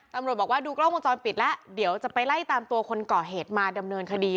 ตำรวจบอกว่าดูกล้องวงจรปิดแล้วเดี๋ยวจะไปไล่ตามตัวคนก่อเหตุมาดำเนินคดี